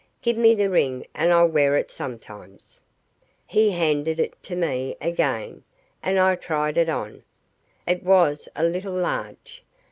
Give me the ring and I'll wear it sometimes." He handed it to me again, and I tried it on. It was a little large.